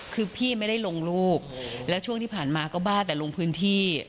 คือพี่ไม่ได้ลงรูปแล้วช่วงที่ผ่านมาก็บ้าแต่ลงพื้นที่